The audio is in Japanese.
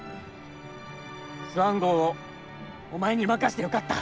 スワン号をお前に任してよかった。